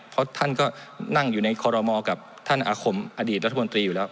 เพราะท่านก็นั่งอยู่ในคอรมอกับท่านอาคมอดีตรัฐมนตรีอยู่แล้ว